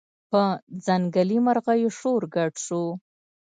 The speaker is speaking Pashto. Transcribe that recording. په ځنګلي مرغیو شور ګډ شو